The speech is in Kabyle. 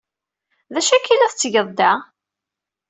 D acu akka ay la tettgeḍ da?